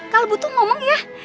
kalau butuh ngomong ya